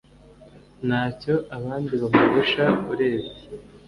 ntacyo abandi bamurusha urebye